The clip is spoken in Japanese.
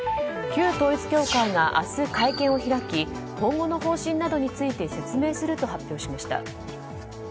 旧統一教会が明日会見を開き今後の方針などについて説明すると発表しました。